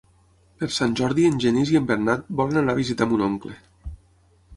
Per Sant Jordi en Genís i en Bernat volen anar a visitar mon oncle.